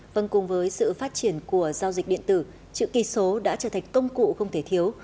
vâng cùng với sự phát triển của giao dịch điện tử chữ kỳ số đã trở thành công cụ không thể thiếu